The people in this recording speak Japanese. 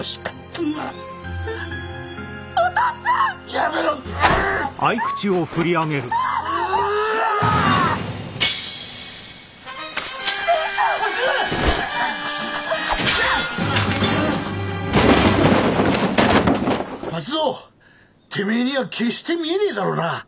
てめえには決して見えねえだろうな。